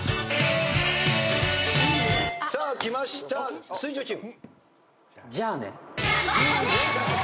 さあきました水１０チーム。